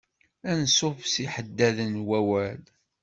Ansuf s yiḥeddaden n wawal.